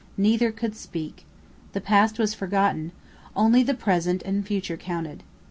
Neither could speak. The past was forgotten. Only the present and future counted.